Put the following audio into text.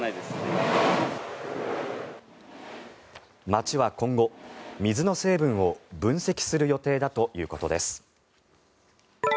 町は今後、水の成分を分析する予定だということです。